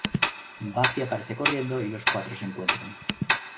Buffy aparece corriendo y los cuatro se encuentran.